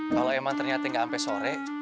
kalau emang ternyata nggak sampai sore